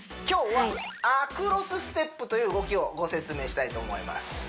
今日はアクロスステップという動きをご説明したいと思います